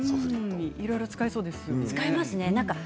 いろいろ使えそうですね。